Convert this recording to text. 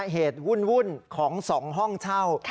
เหตุวุ่นของสองห้องเช่า